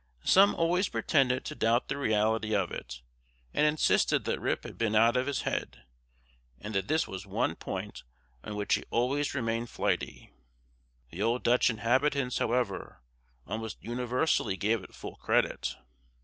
Some always pretended to doubt the reality of it, and insisted that Rip had been out of his head, and that this was one point on which he always remained flighty. The old Dutch inhabitants, however, almost universally gave it full credit.